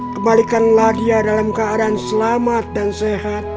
kembalikanlah dia dalam keadaan selamat dan sehat